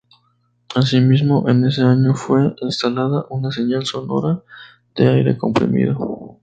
Asimismo en ese año fue instalada una señal sonora de aire comprimido.